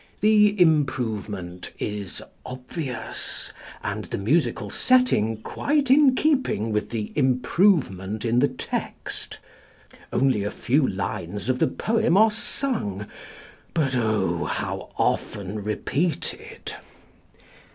The improvement is obvious! and the musical setting quite in keeping with the improvement in the text; only a few lines of the poem are sung, but oh! how often repeated!